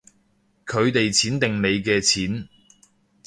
佢哋錢定你嘅錢